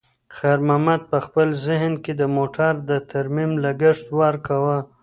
خیر محمد په خپل ذهن کې د موټر د ترمیم لګښت ورکاوه.